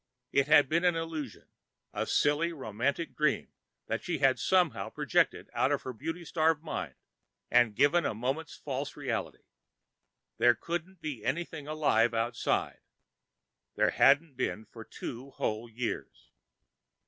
It had been just an illusion, a silly romantic dream that she had somehow projected out of her beauty starved mind and given a moment's false reality. There couldn't be anything alive outside. There hadn't been for two whole years.